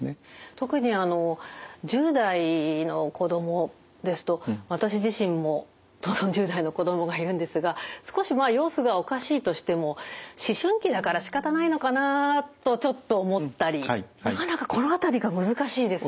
特に１０代の子供ですと私自身も１０代の子供がいるんですが少し様子がおかしいとしても思春期だからしかたないのかなとちょっと思ったりなかなかこの辺りが難しいですね。